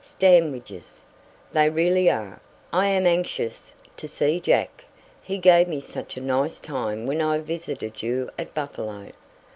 'Standwiches' they really are. I am anxious to see Jack. He gave me such a nice time when I visited you at Buffalo."